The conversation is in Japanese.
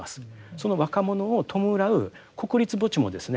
その若者を弔う国立墓地もですね